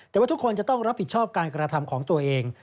แต่ว่าทุกคนจะต้องรับผิดชอบการกระทำของตัวเอง